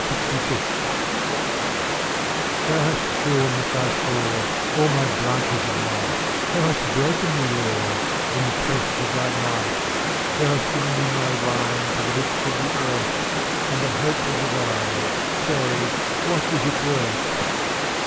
euttg 401 Thou hast shorn with thy sword (ftm/tf All my branches of light, ry ^ Thou hast broken me, Lord vK^' In the press of thy might. Thou hast given my wine To the lips of the earth, And the hope of the Vine — Say, what is it worth?